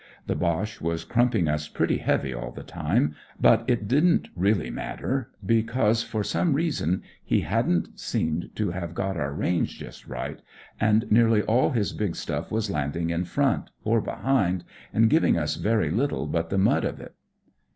The Boche was crumping us pretty heavy all the time, but it didn't really matter, because for some reason he didn't seem to have got our range just right, and nearly all his big stuff was landing in front, or behind, and giving us very little but the mud of it.